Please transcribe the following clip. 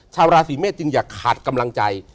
ชาวราศีเมษจึงอย่าขาดกำลังใจ